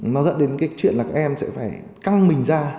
nó dẫn đến cái chuyện là các em sẽ phải căng mình ra